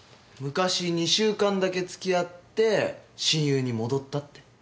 昔２週間だけ付き合って親友に戻ったって。